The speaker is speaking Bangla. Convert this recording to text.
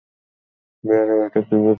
বেহারা বেটা কী বুঝবে এই দূতপেদের দরদ।